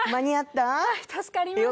助かりました。